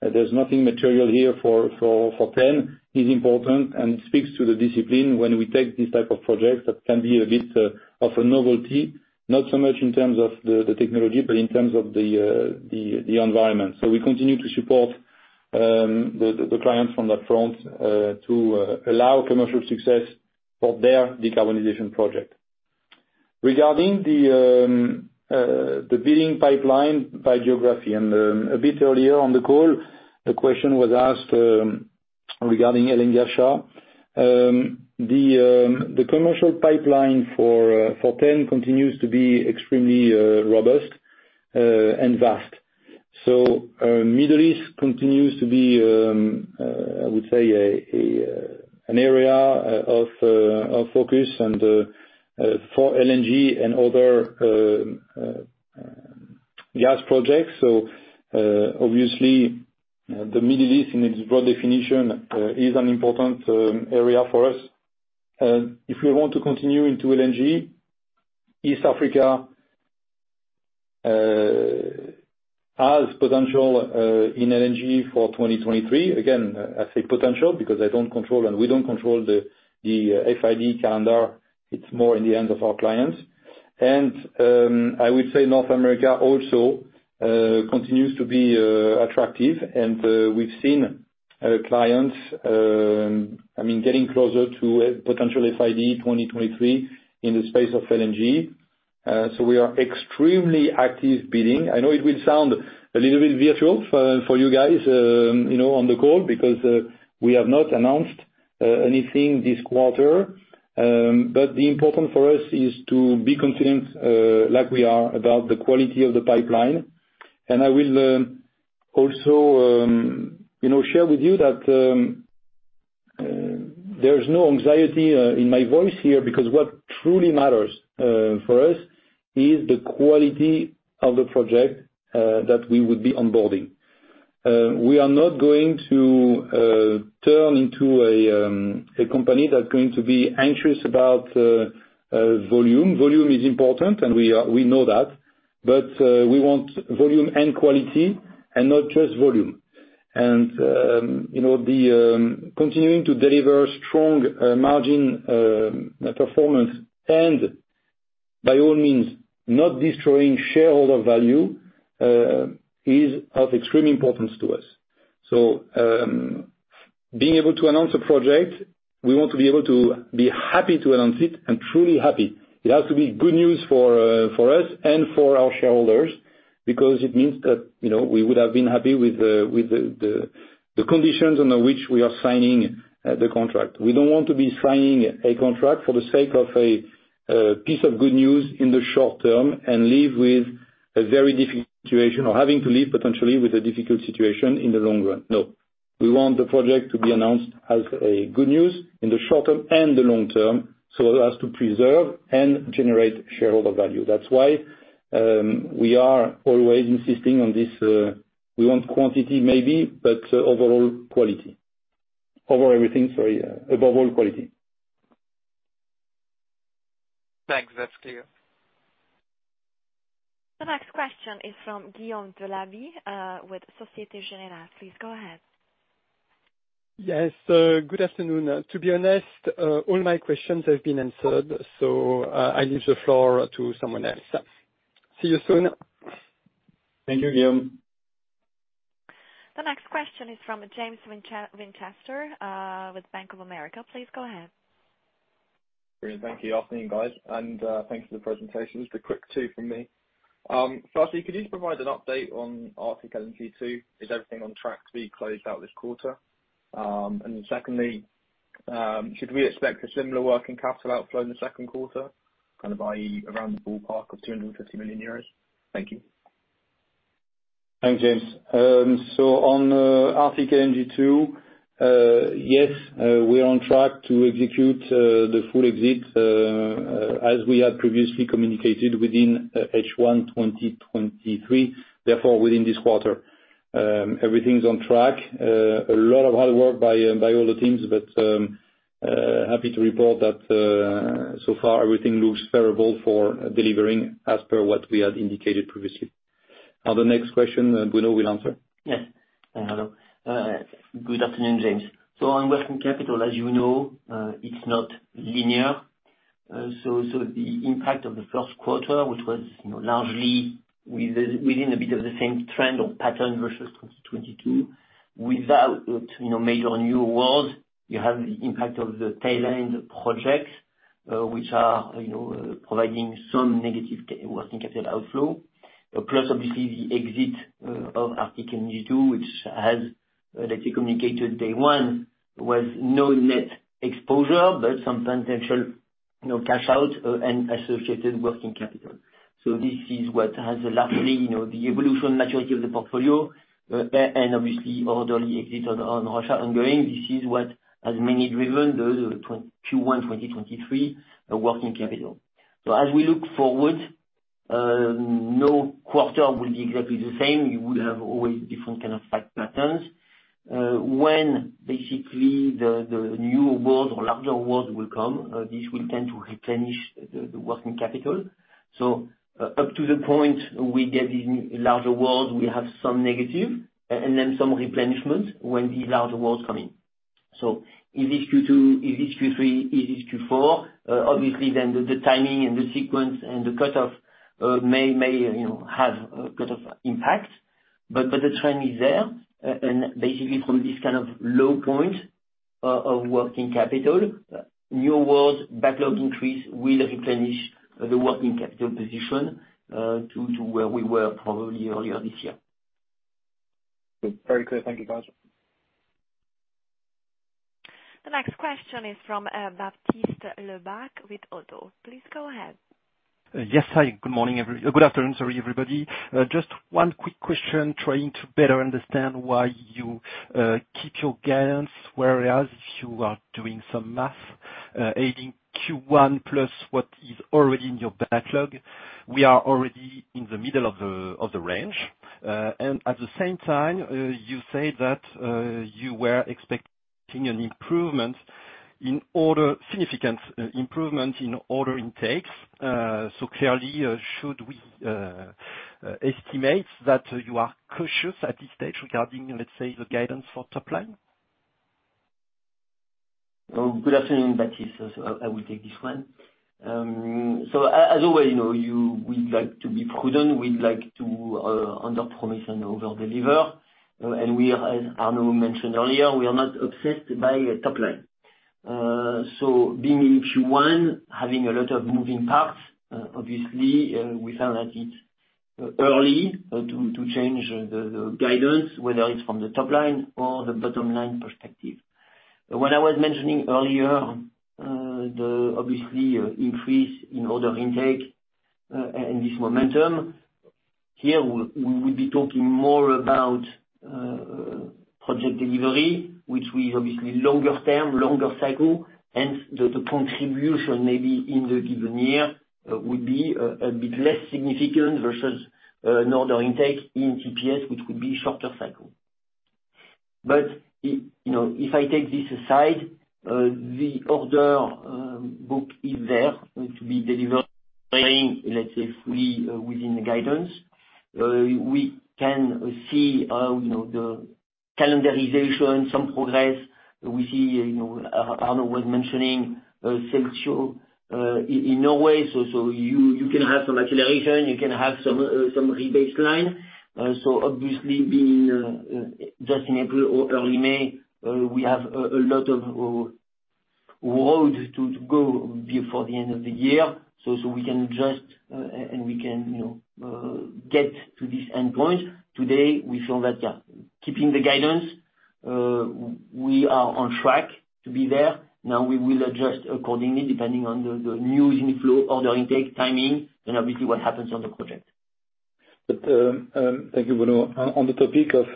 there's nothing material here for Technip Energies is important and speaks to the discipline when we take this type of project that can be a bit of a novelty, not so much in terms of the technology, but in terms of the environment. We continue to support the clients from that front to allow commercial success for their decarbonization project. Regarding the bidding pipeline by geography, a bit earlier on the call, the question was asked regarding LNG Asia. The commercial pipeline for T.EN continues to be extremely robust and vast. Middle East continues to be a an area of focus and for LNG and other gas projects. Obviously, the Middle East in its broad definition is an important area for us. If we want to continue into LNG, East Africa has potential in LNG for 2023. Again, I say potential because I don't control, and we don't control the FID calendar. It's more in the hands of our clients. I would say North America also continues to be attractive, and we've seen clients, I mean, getting closer to a potential FID 2023 in the space of LNG. So we are extremely active bidding. I know it will sound a little bit virtual for you guys, you know, on the call because we have not announced anything this quarter. But the important for us is to be confident, like we are about the quality of the pipeline. I will also, you know, share with you that there's no anxiety in my voice here because what truly matters for us is the quality of the project that we would be onboarding. We are not going to turn into a company that's going to be anxious about volume. Volume is important, and we are, we know that. But we want volume and quality and not just volume. You know, the continuing to deliver strong margin performance and by all means, not destroying shareholder value is of extreme importance to us. Being able to announce a project, we want to be able to be happy to announce it and truly happy. It has to be good news for us and for our shareholders because it means that, you know, we would have been happy with the, with the, the conditions under which we are signing the contract. We don't want to be signing a contract for the sake of a piece of good news in the short term and leave with a very difficult situation or having to leave potentially with a difficult situation in the long run. We want the project to be announced as a good news in the short term and the long term, so as to preserve and generate shareholder value. That's why we are always insisting on this. We want quantity maybe, but overall quality. Over everything, sorry. Above all quality. Thanks. That's clear. The next question is from Guillaume Delaby, with Société Générale. Please go ahead. Yes. good afternoon. To be honest, all my questions have been answered, so, I leave the floor to someone else. See you soon. Thank you, Guillaume. The next question is from James Winchester with Bank of America. Please go ahead. Great. Thank you. Afternoon, guys, and thanks for the presentation. Just a quick two from me. Firstly, could you provide an update on Arctic LNG 2? Is everything on track to be closed out this quarter? Secondly, should we expect a similar working capital outflow in the second quarter, kind of i.e., around the ballpark of 250 million euros? Thank you. Thanks, James. On Arctic LNG 2, yes, we are on track to execute the full exit as we have previously communicated within H1 2023, therefore within this quarter. Everything's on track. A lot of hard work by all the teams, but happy to report that so far everything looks favorable for delivering as per what we had indicated previously. The next question, Bruno will answer. Yes. Hello. Good afternoon, James. On working capital, as you know, it's not linear. The impact of the first quarter, which was, you know, largely within a bit of the same trend or pattern versus 2022, without, you know, major new awards, you have the impact of the tail end projects, which are, you know, providing some negative working capital outflow. Plus obviously the exit of Arctic LNG 2 which has, that you communicated day one, was no net exposure, but some potential, you know, cash out and associated working capital. This is what has largely, you know, the evolution maturity of the portfolio, and obviously orderly exit on Russia ongoing. This is what has mainly driven the Q1 2023 working capital. As we look forward, no quarter will be exactly the same. You would have always different kind of fact patterns. When basically the new awards or larger awards will come, this will tend to replenish the working capital. Up to the point we get the larger awards, we have some negative and then some replenishment when these larger awards come in. Is it Q2? Is it Q3? Is it Q4? Obviously, then the timing and the sequence and the cutoff may, you know, have a bit of impact. But the trend is there. Basically from this kind of low point of working capital, new awards, backlog increase will replenish the working capital position to where we were probably earlier this year. Very clear. Thank you, guys. The next question is from Baptiste Lebacq with ODDO. Please go ahead. Yes. Hi. Good morning, everybody. Good afternoon, sorry, everybody. Just one quick question, trying to better understand why you keep your guidance, whereas if you are doing some math, adding Q1 plus what is already in your backlog, we are already in the middle of the, of the range. And at the same time, you say that you were expecting an improvement in order, significant improvement in order intakes. So clearly, should we estimate that you are cautious at this stage regarding, let's say, the guidance for top line? Good afternoon, Baptiste. I will take this one. As always, you know, we like to be prudent. We like to underpromise and overdeliver. We are, as Arnaud mentioned earlier, we are not obsessed by top line. Being in Q1, having a lot of moving parts, obviously, we feel that it's early to change the guidance, whether it's from the top line or the bottom line perspective. What I was mentioning earlier, the obviously increase in order intake, and this momentum, here we would be talking more about project delivery, which is obviously longer term, longer cycle, hence the contribution maybe in the given year, would be a bit less significant versus an order intake in TPS, which would be shorter cycle. You know, if I take this aside, the order book is there to be delivered, letting, let's say fully within the guidance. We can see, you know, the calendarization, some progress. We see, you know, Arnaud was mentioning Celsio in Norway, so you can have some acceleration, you can have some rebaseline. Obviously being, just in April or early May, we have a lot of road to go before the end of the year, so we can adjust, and we can, you know, get to this endpoint. Today, we feel that, yeah, keeping the guidance, we are on track to be there. We will adjust accordingly, depending on the new inflow order intake, timing, and obviously what happens on the project. Thank you, Bruno. On the topic of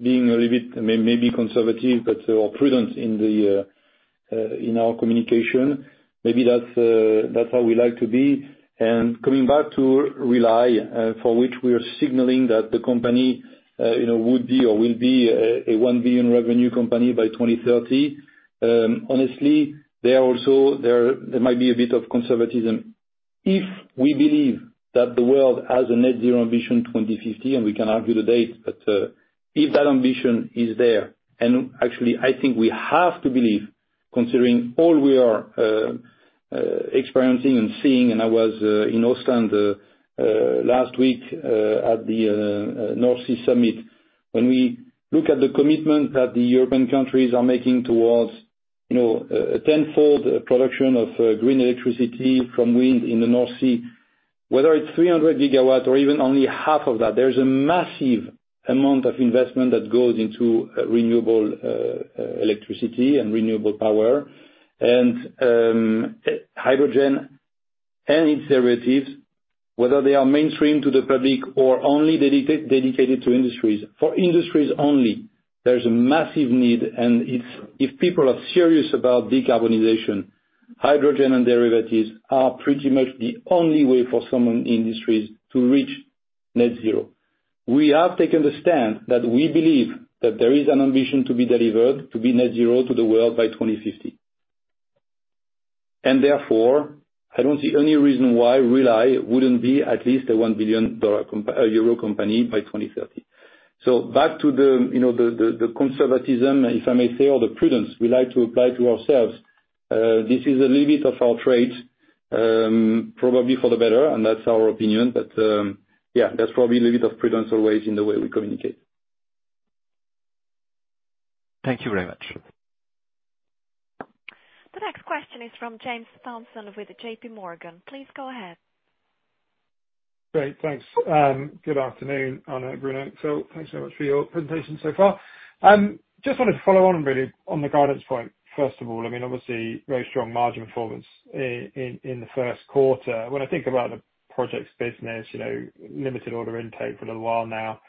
being a little bit maybe conservative, or prudent in our communication, maybe that's how we like to be. Coming back to Rely, for which we are signaling that the company, you know, would be or will be a 1 billion revenue company by 2030, honestly, there also, there might be a bit of conservatism. If we believe that the world has a net zero emission 2050, and we can argue the date, but if that ambition is there, and actually I think we have to believe considering all we are experiencing and seeing, and I was in Oslo last week at the North Sea Summit. When we look at the commitment that the European countries are making towards, you know, a tenfold production of green electricity from wind in the North Sea, whether it's 300 GW or even only half of that, there's a massive amount of investment that goes into renewable electricity and renewable power and hydrogen and its derivatives, whether they are mainstream to the public or only dedicated to industries. For industries only, there's a massive need, and if people are serious about decarbonization, hydrogen and derivatives are pretty much the only way for some industries to reach net zero. We have taken the stand that we believe that there is an ambition to be delivered to be net zero to the world by 2050. Therefore, I don't see any reason why Rely wouldn't be at least a 1 billion dollar euro company by 2030. Back to the, you know, the conservatism, if I may say, or the prudence we like to apply to ourselves, this is a little bit of our trade, probably for the better, and that's our opinion. Yeah, there's probably a little bit of prudence always in the way we communicate. Thank you very much. The next question is from James Thompson with JPMorgan. Please go ahead. Great. Thanks. Good afternoon, Arnaud, Bruno. Thanks so much for your presentation so far. Just wanted to follow on really on the guidance point, first of all. I mean, obviously, very strong margin performance in the first quarter. When I think about the projects business, you know, limited order intake for a little while now,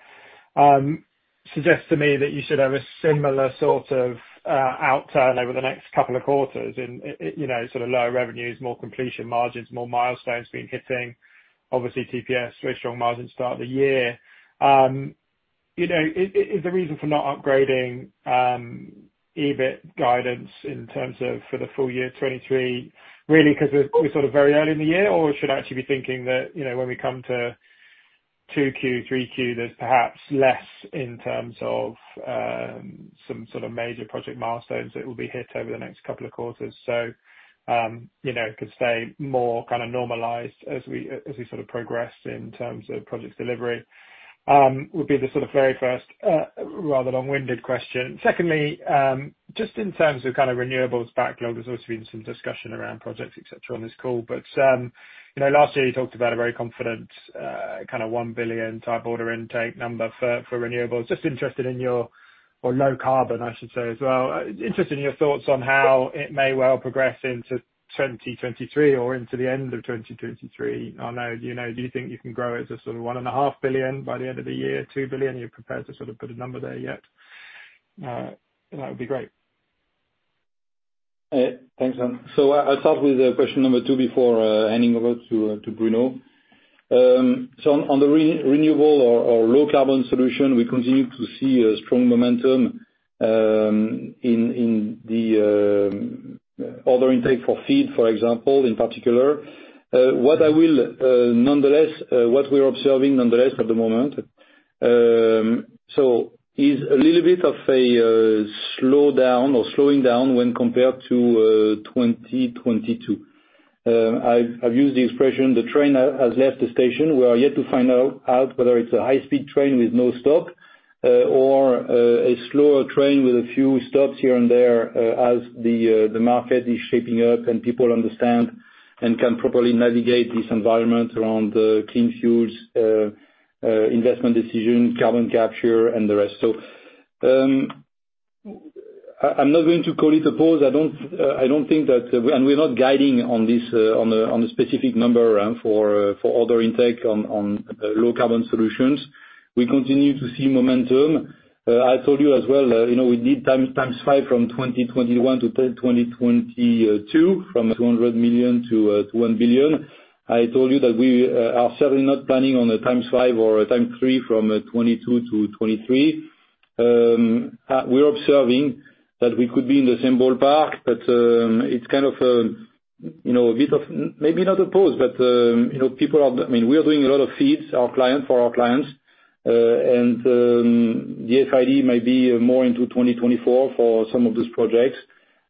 suggests to me that you should have a similar sort of outturn over the next couple of quarters in, you know, sort of lower revenues, more completion margins, more milestones being hitting. Obviously, TPS, very strong margin start of the year. You know, is the reason for not upgrading EBIT guidance in terms of for the full year 2023, really 'cause we're sort of very early in the year, or we should actually be thinking that, you know, when we come to 2Q, 3Q, there's perhaps less in terms of some sort of major project milestones that will be hit over the next couple of quarters, you know, could stay more kind of normalized as we, as we sort of progress in terms of project delivery, would be the sort of very first, rather long-winded question? Secondly, just in terms of kind of renewables backlog, there's also been some discussion around projects, et cetera, on this call. You know, last year you talked about a very confident, kind of 1 billion type order intake number for renewables. Just interested in your. Or low carbon, I should say as well. Interested in your thoughts on how it may well progress into 2023 or into the end of 2023. I know you know, do you think you can grow it to sort of 1.5 billion by the end of the year, 2 billion? Are you prepared to sort of put a number there yet? That would be great. Thanks, James. I'll start with question two before handing over to Bruno. On the renewable or low carbon solution, we continue to see a strong momentum in the order intake for FEED, for example, in particular. What I will, nonetheless, what we are observing nonetheless at the moment, is a little bit of a slowdown or slowing down when compared to 2022. I've used the expression the train has left the station. We are yet to find out whether it's a high-speed train with no stop or a slower train with a few stops here and there as the market is shaping up and people understand and can properly navigate this environment around clean fuels, investment decisions, carbon capture and the rest. I'm not going to call it a pause. I don't think that. We're not guiding on this on a specific number for order intake on low carbon solutions. We continue to see momentum. I told you as well, you know, we did 5x from 2021 to 2022, from 200 million to 1 billion. I told you that we are certainly not planning on a 5x or a 3x from 2022 to 2023. We're observing that we could be in the same ballpark, but it's kind of, you know, a bit of maybe not a pause, but, you know, I mean, we are doing a lot of FEEDs for our clients. And the FID may be more into 2024 for some of these projects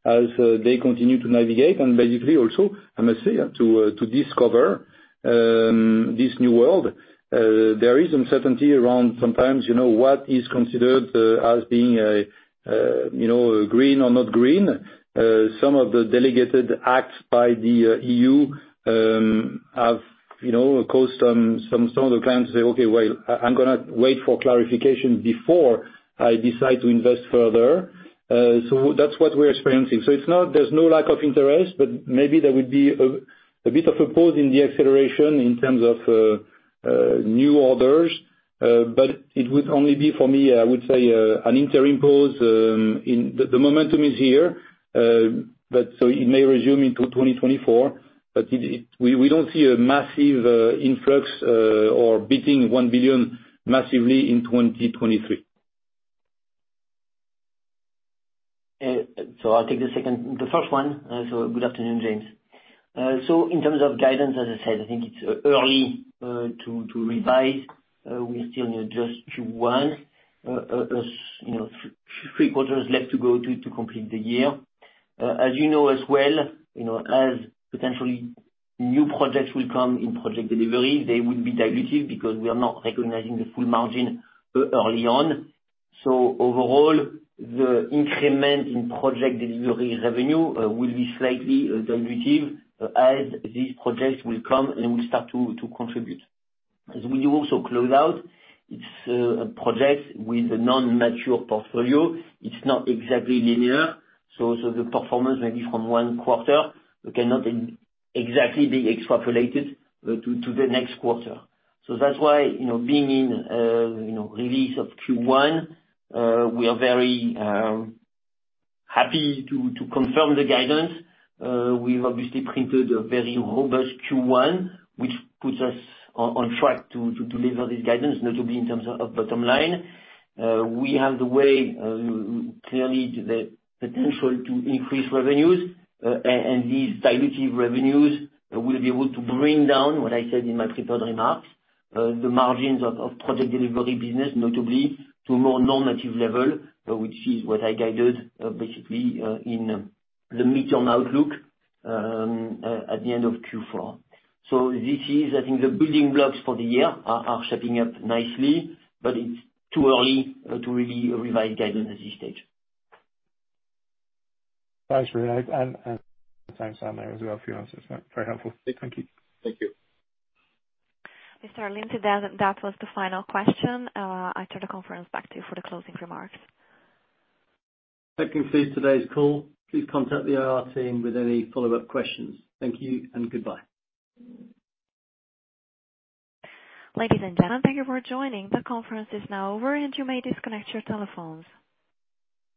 as they continue to navigate and basically also, I must say, to discover this new world. There is uncertainty around sometimes, you know, what is considered as being, you know, green or not green. Some of the delegated acts by the EU have, you know, caused some of the clients to say, "Okay, well, I'm gonna wait for clarification before I decide to invest further." That's what we're experiencing. There's no lack of interest, but maybe there will be a bit of a pause in the acceleration in terms of new orders. But it would only be for me, I would say, an interim pause. The momentum is here, but it may resume into 2024. We don't see a massive influx or beating 1 billion massively in 2023. I'll take the first one. Good afternoon, James. In terms of guidance, as I said, I think it's early to revise. We're still in just Q1. you know, three quarters left to go to complete the year. As you know as well, you know, as potentially new projects will come in project delivery, they will be dilutive because we are not recognizing the full margin early on. Overall, the increment in project delivery revenue will be slightly dilutive as these projects will come and will start to contribute. As we also close out, it's a project with a non-mature portfolio. It's not exactly linear, so the performance maybe from one quarter cannot exactly be extrapolated to the next quarter. That's why, you know, being in, you know, release of Q1, we are very happy to confirm the guidance. We've obviously printed a very robust Q1, which puts us on track to deliver this guidance, notably in terms of bottom line. We have the way clearly to the potential to increase revenues. These dilutive revenues will be able to bring down, what I said in my prepared remarks, the margins of project delivery business, notably to more normative level, which is what I guided basically in the mid-term outlook at the end of Q4. This is, I think the building blocks for the year are shaping up nicely, but it's too early to really revise guidance at this stage. Thanks, Bruno. Thanks, Arnaud, as well for your answers. Yeah, very helpful. Thank you. Thank you. Arnaud Pieton, to that was the final question. I turn the conference back to you for the closing remarks. That concludes today's call. Please contact the IR team with any follow-up questions. Thank you and goodbye. Ladies and gentlemen, thank you for joining. The conference is now over, and you may disconnect your telephones.